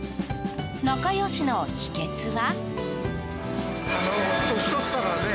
仲良しの秘訣は？